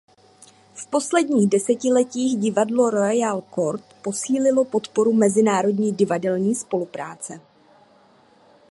V posledních desetiletích Divadlo Royal Court posílilo podporu mezinárodní divadelní spolupráce.